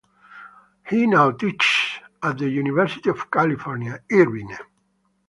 He now teaches at the University of California, Irvine.